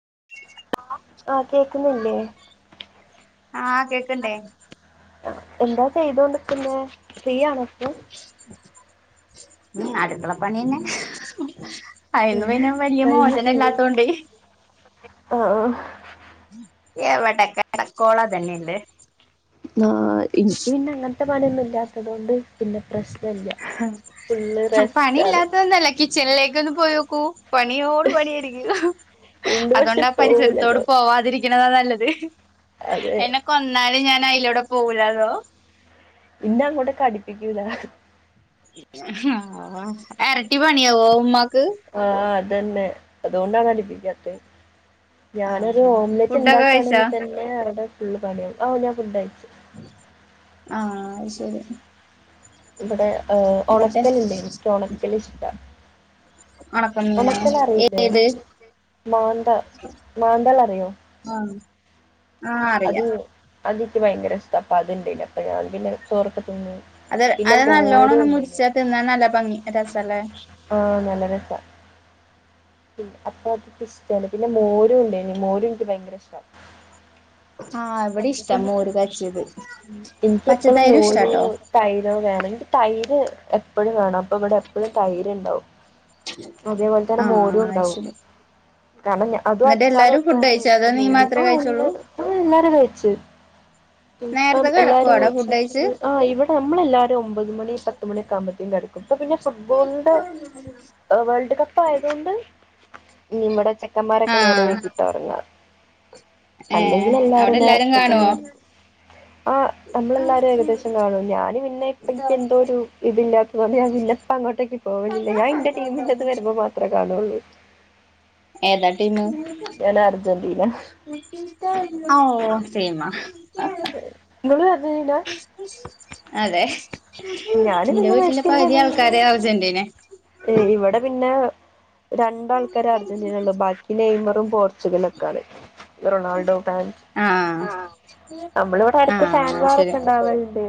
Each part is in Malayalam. [unintelligible] ആഹ് കേക്കുന്നില്ലേ ആഹ കേക്കണ്ടേ എന്താ ചെയ്തോണ്ടിക്കുന്ന ഫ്രീ ആണേ ഇപ്പോ ഉം അടുക്കള്ള പണി തന്നെ അയിന്നു ഉം. പിന്നെ വലിയ മോചനം കഴിഞ്ഞിട്ടില്ലേ ഇല്ലാത്തോണ്ട് ആ ആ എവടെ [inaudible] ടക്കോള തന്നെ ഉണ്ട് ആ എനിക്ക് പിന്നെ അങ്ങനത്തെ പണിയൊന്നും ഇല്ലാത്തത് കൊണ്ട് പിന്നെ പ്രശന ആ ആണ് പണില്ലാത്തൊന്നല്ല കിച്ചനിലേക്ക് ഒന്ന് പോയി നോക്കൂ പണിയോട് പണിയരിക്ക വീണ്ടും പക്ഷെ അതുകൊണ്ടാ പരിസരത്തോട് പോവില്ലല്ലോ പോവാതിരിക്കുന്നതാ നല്ലത് അതെ എന്നെ കൊന്നാലും ഞാൻ അതിലൂടെ പോവൂലാല്ലോ പിന്ന അങ്ങോട്ട അടിപ്പിക്കൂല്ല ആ ഇരട്ടി പണി ഉമ്മ ആ അതന്നെ അതുകൊണ്ടാണ് അടിപിക്കാതേ ആഹ് ഞാനൊരു ഓംലെറ്റ് ഫുഡൊക്കെ കഴിച്ചോ ഉണ്ടാക്കുകയാണെങ്കിൽ തന്നെ അവരുടെ ഫുള്ള് പണിയും ആ അത് ശരി ഇവിടെ ആ എന്നിട്ട് ഒണക്കലുണ്ട് എനിക്ക് ഒണക്കൽ ഇഷ്ട ഒണക്ക മീനൊ ഏത് മാന്തൻ മാന്തൽ അറിയോ ആഹ് ആഹ് അറിയാം അത് എനിക്ക് ഭയങ്കര ഇഷട് അപ്പെ അതിണ്ടേന്നു അപ്പൊ ഞാൻ പിന്നെ ചോർക്കോ അത് അത് നല്ലോണം ഒന്ന മുരിച്ച തിന്നാൻ നല്ല ഭംഗി രസല്ല ആ നല്ല രസ അപ്പൊ [inaudible] ഇഷടണ് പിന്നെ മോരും ഉണ്ട്നി മോരും എനിക്ക് ഭയങ്കര ഇഷ്ട ആഹ് ഇവിടെ അപ്പോ ഇഷ്ടാ പിന്നെ മോര് കാച്ചിയത് ഉം എനിക്ക് എപ്പോളും പച്ചത്തൈരും മോരോ ഇഷ്ടാട്ടോ തൈരോ വേണം തൈര് എപ്പഴും വേണം ഇപ്പം ഇവിടെ എപ്പോഴും തൈര് ഉണ്ടാവും അതേപോലെ തന്നെ മോരും ആഹ് അത് ഉണ്ടാവും ശരി കാരണം അതും എന്നിട്ട് അച്ചാറും എല്ലാരും ഫുഡ് ഒക്കെയാണ് കഴിച്ചോ അതോ നീ മെയിന് മാത്രേ കഴിച്ചോള്ളൂ [unintelligible] [unintelligible] ഇപ്പം നേരത്തെ കിടക്കുവോ എല്ലാരും അവിടെ ഫുഡ് കഴിച്ച് [inaudible] ആ ഇവിടെ നമ്മളെല്ലാരും ഒമ്പത് മണി പത്തുമണിയൊക്കെ ആവുമ്പോഴത്തേും കിടക്കും ഇപ്പൊ പിന്നെ ഫുട്ബോളിന്റെ വേൾഡ് കപ്പ് ആയതൊണ്ട് ഇവിടെ ചെക്കന്മാരൊക്കെ നേരെ വൈകിട്ട് ഉറങ്ങ് ഏ അവിടെ എല്ലാരും തന്നെ കാണുവോ കിടക്കും. ആ നമ്മളെല്ലാരും ഏകദേശം കാണും ഞൻ പിന്നെ ഇപ്പ എനിക്ക് എന്തോ ഒരു ഇതിലാതോട്ട് ഞ ഞാൻ എപ്പോ അങ്ങോട്ടേക്ക് പോകലില്ല ഞാൻന്റെ ടീമിന്റെറത് വരുമ്പോ മാത്രമേ കാണുള്ളൂ. ഏതാ ടീമ് ഞാൻ അർജന്റീന ഓ സേമ നിങ്ങൾ അർജന്റീന അതെ ഞാൻ എന്റെ പിന്നെ വീട്ടിലെ മെസ്സിന്റെ പകുതി ഇതെങ്ങനെ. ആൾക്കാരെ അർജന്റീന ഏ ഇവിടെ പിന്നെ രണ്ടാൾക്കാരെ അർജന്റീന ഉള്ള ബാക്കി നെയ്മറും പോർച്ചുഗല ഒക്കെയാണ് റൊണൾഡോ ഫാൻ ആഹ് നമ്മളിവിടെ അടുക്ക് ആഹ് അത് ഫാൻവാർ ശരി ഒക്കെ ഇണ്ടവാലുണ്ട്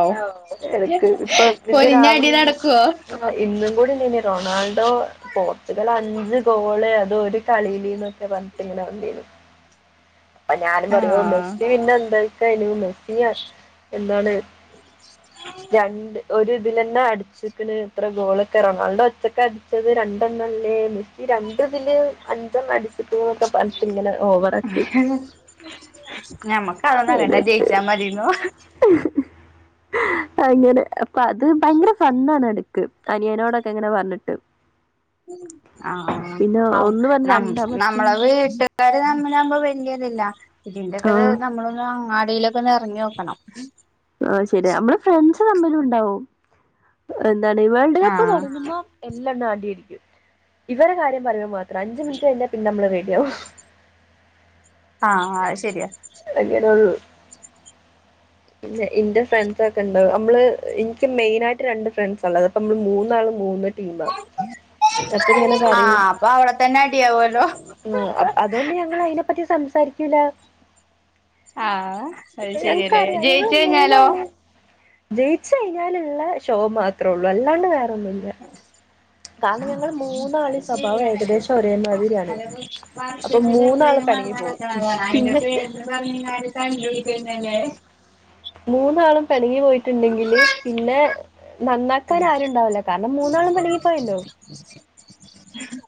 ഓഹ് ആ എനക്ക് ഇപ്പൊ പൊരിഞ്ഞ അടി രാവിലെ എണീച് നടക്കുവോ ഇന്ന് റൊണാൾഡോ പോർച്ചുഗൽ അഞ്ച് ഗോള് അത് ഒരു കളിയിലന്നൊക്കെ പറഞ്ഞിട്ട ഇങ്ങനെ വന്നിരുന്നു അപ്പൊ ഞാനും പറയോ ആഹ് മെസ്സി പിന്നെ എന്തക്കനു മെസ്സി എന്താണ് രണ്ട് ഒ ഒരു ഇതിലന്നെ അടിച്ചുക്ക്ണ് ഇത്ര ഗോളൊക്കെ റൊണാൾഡോ ഒച്ചൊക്കെ അടിച്ചത് രണ്ടെണ്ണംല്ലേ മെസ്സി ര എന്റെതില് അഞ്ചെണ്ണം അടിച്ചു [unintelligible] പറഞ്ഞിട്ട് ഇങ്ങനെ ഓവറ് ആക്കി [unintelligible] ജയിച്ചാ മതീന്ന് അങ്ങനെ അപ്പ അത് ഭയങ്കര ഫണ്ണാണ് എട അനിയനോടൊക്കെ എങ്ങനെ പറഞ്ഞിട്ട് ആ പിന്നെ നം ഒന്ന് പറഞ്ഞ് നം രണ്ടാമത്തെ നമ്മളെ വീട്ടുകാര് ന [unintelligible] വല്യതില്ല ഇതിന്റെക്കെത് ആ നമ്മളൊന്നു അങ്ങാടിയിലൊക്കെ ഒന്ന് എറങ്ങിയോക്കണം ആ ശരി നമ്മള് ഫ്രണ്ട്സ് തമ്മിലും ഉണ്ടാവും ന്താണ് വേൾഡ് കപ്പ് ആഹ് തുടങ്ങുമ്പോ എല്ലാ [unintelligible] ഇവരെ കാര്യം പറയാൻ മാ ത്രം അഞ്ചു മിനിറ്റ് കഴിഞ്ഞാ പിന്നെ നമ്മള് റെഡിയാവൂ ആ അത് ശരിയാ അങ്ങനെ ഒരു പിന്നെ എന്റെ ഫ്രണ്ട്സൊക്കെ ഉണ്ടാവും നമ്മള് എനിക്ക് മെയിൻ ആയിട്ട് രണ്ട് ഫ്രണ്ട്സാ ഉള്ളത് അപ്പ നമ്മള് മൂന്നാളും മൂന്ന് ടീമാ അപ്പൊ ഇങ്ങനെ ആഹ് അപ്പൊ അവിടെ തന്നെ അടിയാവൊല്ലോ ആ അ അതുകൊണ്ട് ഞങ്ങൾ അതിനെപ്പറ്റി സംസാരിക്കൂല ആഹ് അത് ശരിയല്ലേ ഞങ്ങക്കറിയാ ഞങ്ങള് ജയിച്ച് കഴിഞ്ഞാലോ മൂന്നാള് ജയിച്ചു കഴിഞ്ഞാലുള്ള ഷോ മാത്രേ ഉള്ളു അല്ലാണ്ട് വേറൊന്നുല്ല കാരണം ഞങ്ങൾ മൂന്നാളേം അത് ഈ സ്വഭാവം ശരിയാണ് ഏകദേശം ഒരേമാതിരിയാണ് അല്ലപ്പോ അപ്പൊ വർഷത്തില് മൂന്നാള് പെ [unintelligible] അയിന്റെ പേരില് പറഞ്ഞു കഴിഞ്ഞാല് തണ്ട് പിടിക്കുന്നല്ലേ മൂന്നാളും പിണങ്ങി പോയിട്ടുണ്ടെങ്കില് പിന്നെ നന്നാക്കാൻ അത് ആരുണ്ടാവൂല കാരണം മൂന്നാളും പെണങ്ങിപ്പോയല്ലോ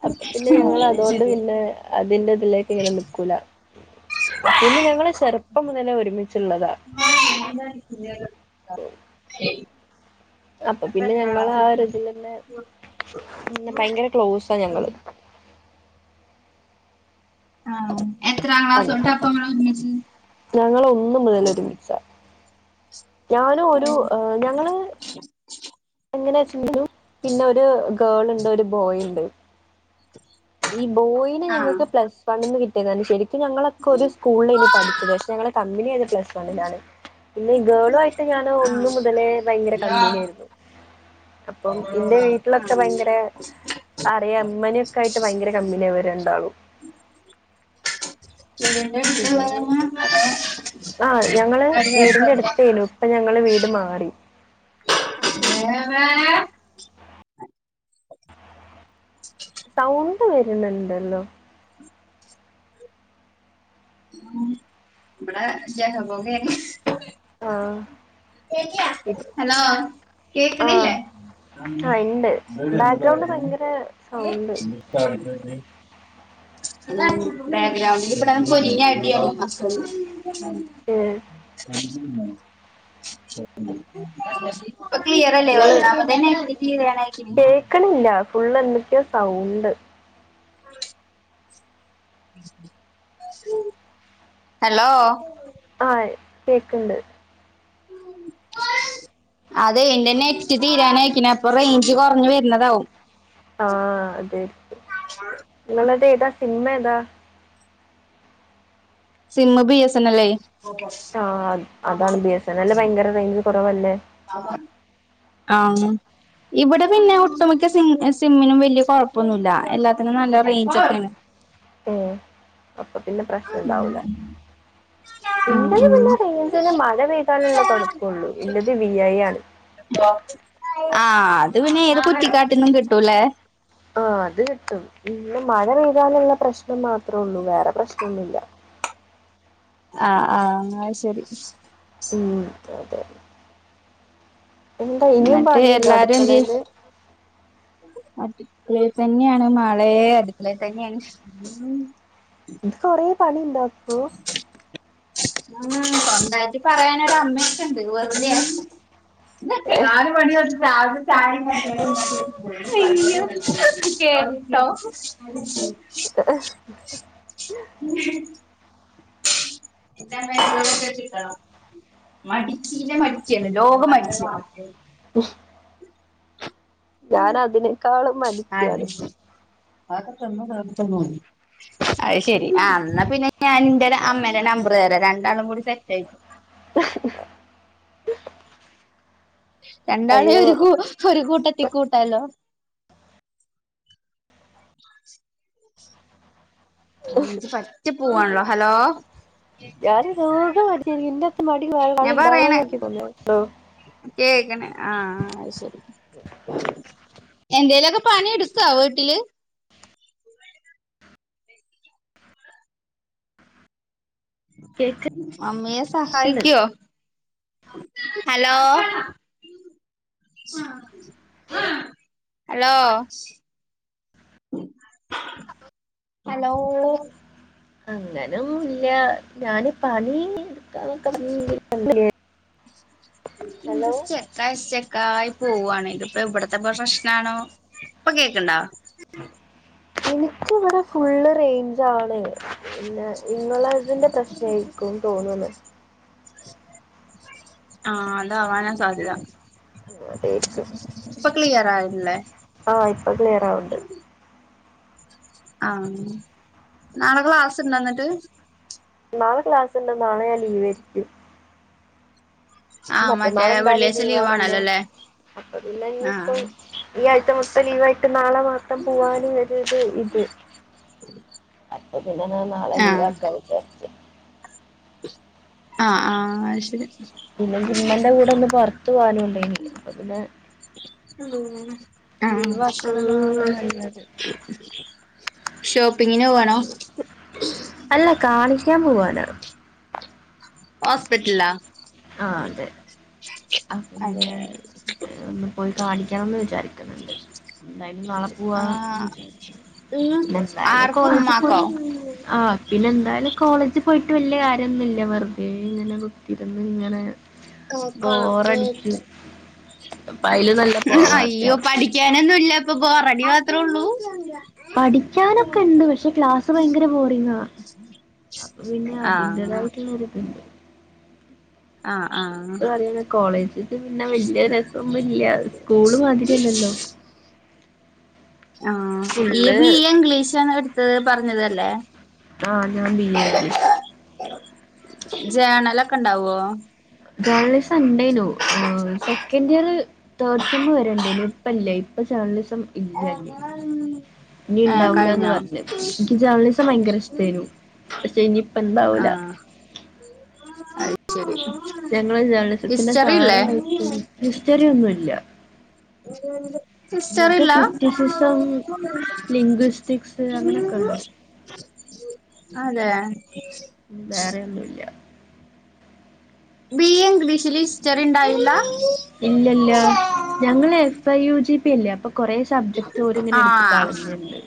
അപ്പ പിന്നെ ഞങ്ങൾ അതുകൊണ്ട് ശരിയാ പിന്നെ അതിന്റെ വല്ലേറ്റ് ഇങ്ങെനെ നിക്കൂല പിന്നെ ഞങ്ങള് ചെറുപ്പം മുതലേ ഒരുമി [unintelligible] അപ്പൊ പിന്നെ ഞങ്ങള് ആ ഒരുതിലന്നെ ഉം ഭയങ്കര ക്ലോസാ ഞങ്ങള് ആ എത്രാം ക്ലാസ്സ്‌ തൊട്ടാ അപ്പൊ നിങ്ങൾ ഒരുമിച്ച് ഞങ്ങള് ഒന്ന് മുതൽ ഒരുമിച്ച ഞാനും ഒരു ഞങ്ങള് എങ്ങന ച്ച് [unintelligible] പിന്നെ ഒരു ഗേൾ ഇണ്ട് ഒരു ബോയ് ഇണ്ട് ഈ ബോയിനെ ആ ഞങ്ങൾക്ക് പ്ലസ് വൺന്ന് കിട്ടിയത ശരി ക്കും ഞങ്ങളൊക്കെ ഒരു സ്കൂളിലേനി പഠിച്ചത് പക്ഷെ ഞങ്ങള് കമ്പനിയായത് പ്ലസ് വണ്ണിലാണ് പിന്നെ ഈ ഗേളു ആയിട്ട് ഞാന് ഒന്ന് മുതലേ ഭയങ്കര കമ്പനിയേരുന്നു അപ്പം എന്റെ വീട്ടിലൊക്കെ ഭയങ്കര അറിയാം ഇമ്മനൊക്കെ ആയി ട്ട് ഭയങ്കര കമ്പിനിയ അവരെണ്ടാളും പിന്നെ [unintelligible] അതോ ആ ഞങ്ങള് വീടിന്റെ അടുത്തേനു ഇപ്പൊ ഞങ്ങള് വീട് മാറി സൗണ്ട് വരുന്നുണ്ടല്ലോ ഇവിടെ ജഗ പൊകേ ണ് ആഹ് ഹലോ ആ കേക്ണില്ലേ ആ ഉണ്ട് ബാക്ക്ഗ്രൗണ്ട് ഭയങ്കര സൗണ്ട് ബാക്ക്ഗ്രൗണ്ട് ല് ഇവിടെയും പൊരിഞ്ഞ അടിയാണ് മക്കള് ഇപ്പക്ലിയർ അല്ലേ നിങ്ങള് ഒന്നാമതെന്നെ [unintelligible] ഫുള് എന്തൊക്കെയോ സൗണ്ട്. ഉ. ഹലോ. ആഹ് കേക്ണ്ട്. അതെ എന്റെ നെറ്റ് തീരാനായിക് പിന്നെ അപ്പൊ റേഞ്ച് കൊറഞ് വര്ന്നതാവും. ആഹ് അതെര്ക്കും നിങ്ങളതേതാ സിമ്മേ താ. സിമ്മ് ബി എസ എന ലെ. ആ അതാണ് ബി എസ് എൻ എല് ഭയങ്കര റേയിഞ്ച് കുറവല്ലേ? ആഹ ആണ്. [unintelligible] ഇവിടെ പിന്നെ ഒട്ടുമിക്ക സിമ്മിനും വല്യ കൊഴപ്പൊന്നല്ല എല്ലാത്തിനും നല്ല റേഞ്ച് ഒക്കെയാണ്. ഉഉം അപ്പൊ പിന്നെ പ്രശ്നം ഉം ഉണ്ടാവൂല. ഇന്റെത് ഉം പിന്നെ റഞ്ച് മഴ പെയ്താനുള്ള കൊഴപ്പൊള്ളു ഇന്റെത് വി ഐ ആണ്. ആ അത് പിന്നെ ഏത് കുറ്റി ക്കാട്ട്ന്നും കിട്ടൂലേ. ആഹ അത് കിട്ടും അയ്യോ മഴ പെയ്താലുള്ള പ്രശ്നം മാത്രേ ഉള്ളൂ വേറെ പ്രശ്നൊന്നുല്ല. ആഹ് ആഹ് ആ ശരി. ഉം അതെ അതെ. എന്താ ഇനിയും എന്നിട്ട് പണിയുണ്ടോ എല്ലാരും എന്ത് അടുക്കളേല്. അടുക്കളയിൽ തന്നെയാണ് മോളേ അടുക്കളേ തന്നെയാണ് ഇത് കൊറെ പണിയൊണ്ടോ അപ്പൊ സ്വന്തായിട്ട് പറയാനൊരു അമ്മേക്കൊണ്ട് വെർതെയാ. നാല് മണി തൊട്ട് [unintelligible] അയ്യോ കേട്ടോ? ഹ് [unintelligible] കിട്ടണം. മടിച്ചിന്റെ മടിച്യാ ലോക മടിച്യാ അന്റെ വാപ്പേ. ഹ്മ്. ഞാൻ അതിനേക്കാളും മടിച്യാണ്. അതൊക്കെ തിന്ന് കാത്തു കുത്തർന്നോളി. അത് ശെരി എന്നാ പിന്നെ ഞാന്റെ അമ്മേടെ നമ്പറ് തരാം രണ്ടാളും കൂടി സെറ്റാകികോ രണ്ടാളെ അയ്യോ ഒരു കു ഒരു കൂട്ടത്തി കൂട്ടാലോ. [inaudible] റെയിഞ്ച് പറ്റ പോവാണല്ലോ ഹലോ. ഞാന് ലോക മടിച്ചിയാണ് ഇന്റെ അത്ര മടിള്ള വേറെ ആള് ഇണ്ടാവോ എനിക് തോന്ന്ണ്. കേക്കണെ ആഹ് അ ശരി എന്ദ്ദേലൊക്കെ പണി ഇടുതോ വീട്ടില്. അമ്മയെ സഹായികോ? ഹലോ. ഹലോ. ഹലോ. അങ്ങനൊന്നും ഇല്ല ഞാന് പണി. എടുക്കാന്നൊക്കെ പറഞ്ഞു പിന്ത് ഹലോ സ്റ്റക്കായ്സ്റ്റക്കായ് ക്കായി പോവാണ് ഇതി ഇപ്പോ ഇവിടത്തെ പ്രഫഷ്നാണോ ഇപ്പൊ കേക്ണ്ടോ? എനിക്ക് ഇവിടെ ഫുള്ള് റേഞ്ച് ആണ്. പിന്നെ ഇങ്ങള്ളതിന്റെ പ്രശ്നേകും തോന്ന്ന്ന്. ആഹ് അതാവാനാ സാധ്യത. അതേക്കും ഇപ്പൊ ക്ലിയറയ്ഇല്ലേ? ആ ഇപ്പൊ ക്ലിയർ ആവുണ്ട് ആഹ് നാള ക്ലാസ് ഇണ്ടന്നിട്ട്? നാളെ ക്ലാസ്ണ്ട് നാളെ ഞാൻ ലീവ് ആരിക്കും. ആഹ് മറ്റേ മറ്റന്നാൾ എന്തായാലും വെള്ളിയാഴ്ച ലീവ് ആണല്ലോ ലീവാണല്ലോ. അല്ലേ അപ്പൊ പിന്നെഇഞ്ഞിപ്പോ ആഹ് ഈ ആയ്ച മു ത്ത് നാള മാത്രം പൂവാനുഒരിത് ഇത് അപ്പൊ പിന്നെ ഞാൻ നാളെ ലീവ് ആഹ് ആക്കാ വിചര്ച്ച് ആഹ് ആഹ് അര്ശരി പിന്നെനിക്ക് ഇന്മന്റെ കൂടൊന്ന് പൊർത്ത് പോവാനുംണ്ടെയിനി അപ്പൊ പിന്നെ ആഹ് ആഹ് ലീവാക്കണതാണ് അഹ്... നല്ലത് ഷോപ്പിങ്ങിന് പോവണോ? അല്ല കാണിക്കാൻ പോവാനാണ് ഹോസ്പിറ്റലാ ആ അതെ അപ്പൊ അതെ പിന്നെ ഒന്ന് പോയി കാണിക്കണംന്ന് വിചാരിക്കുന്നുണ്ട്. എന്തായാലും നാളെ പോവാന്ന് ആഹ് വിചാരിച്ചു. പിന്ന എന്തായാലും ആർക്ക് കോളേജിൽ പോയി ഉമ്മാക്കോ ആ പിന്നെ എന്തായാലും കോളേജ് പോയി വലിയ കാര്യമൊന്നുല്ല വെറുതെ ഇങ്ങനെ കുത്തിരിന്ന് ഇങ്ങനെ ബോറടിച്ചു അപ്പൊ അതില് നല്ല അയ്യോ പോവാത്ത പഠിക്കാ അങ്ങനൊന്നുംല്ല ഇപ്പൊ ബോറടി മാത്രേള്ളൂ. പഠിക്കാനൊക്കെ ഇണ്ട് പക്ഷെ ക്ലാസ് ഭയങ്കര ബോറിംഗാ അപ്പൊ പിന്നെ ആഹ് അതിന്റതായിട്ടുള്ളരിതിണ്ട് ആ എന്ത് പറയണ് കോളേജ്ത്ത്പിന്നെ വലിയ രസംന്നും ഇല്ല സ്കൂള് മാതിരില്ലല്ലോ [inaudible] ആ ഈ ഫുള്ള് ബി എ ഇംഗ്ലീഷാണ് എടുത്തത് പറഞ്ഞതല്ലേ. ആ ഞാൻ ബി എ ഇംഗ്ലീഷ് ജേണലൊക്കെ ഇണ്ടാവോ? ജേർണലിസം ഇണ്ടേനു സെക്കൻഡ് ഇയർ തേർഡ് സമ്മ് വരെണ്ടേനു ഇപ്പല്ലേ പ്പചണലിസം ആ ഉം ആ ഉണ്ടാവൂലാന്ന് കഴിഞ്ഞോ പറഞ്ഞ് എനിക്ക് ജേർണലിസം ഭയങ്കര ഇഷ്ടേനു പക്ഷെ ഇനിയിപ്പ എന്താവൂല ആഹ് അയ്ശരി ഞങ്ങളെ ജേണലിസത്തിന്റെ സാറമായിട്ട ഹിസ്റ്ററിന്നുംല്ല. ഇ ഇണ്ട്. ഇസ്റ്ററില്ലാ. ക്രിറ്റിസിസം ലിംഗ്വിസ്റ്റിക്സ് അങ്ങനൊക്കെ ഉള്ളു അതെ വേറെ ഒന്നുമില്ല ബി എ ഇംഗ്ലീഷിൽ ഇസ്റ്ററിണ്ടായില്ല ഇല്ലല്ല ഞങ്ങള് F I U G P അല്ലേ അപ്പൊ കൊറേ സബ്ജക്ട് ഓരിങ്ങനെ എടുത്ത് ആഹ് കളഞ്ഞിണ്ട്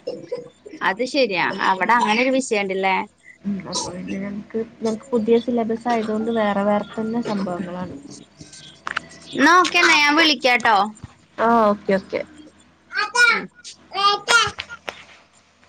അത് ശരിയാ അവിടെ അങ്ങനെ ഒരു വിഷയണ്ടല്ലേ? ഉംഅപ്പൊ പിന്നെ ഞക്ക് ഞക്ക് പുതിയ സിലബസ് ആയതുകൊണ്ട് വേറെ വേറെ ത്തുന്ന സംഭവങ്ങളാണ്. ന്നാ ഓക്കേന്നെ വിളിക്കാട്ടോ. ആ ഓക്കെ ഓക്കെ